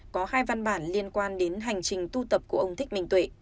có hai văn bản liên quan đến hành trình tu tập của ông thích minh tuệ